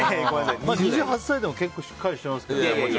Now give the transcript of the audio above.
２８歳でも結構しっかりしてますけどね。